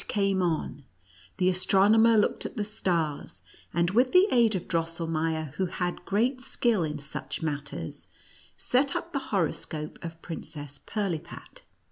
Night came on; the astronomer looked at the stars, and with the aid of Drosselmeier, who had great skill in such matters, set up the horoscope of Princess Pirlipat.